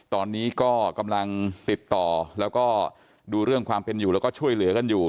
ตอนนี้ก็กำลังติดต่อแล้วก็ดูเรื่องความเป็นอยู่แล้วก็ช่วยเหลือกันอยู่